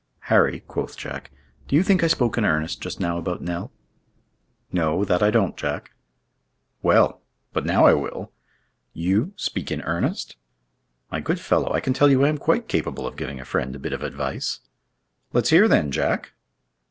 "Harry," quoth Jack, "do you think I spoke in earnest just now about Nell?" "No, that I don't, Jack." "Well, but now I will!" "You? speak in earnest?" "My good fellow, I can tell you I am quite capable of giving a friend a bit of advice." "Let's hear, then, Jack!"